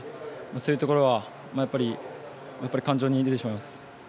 そういうところが感情に出てしまいます。